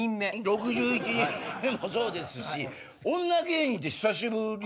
６１人目もそうですし女芸人って久しぶり。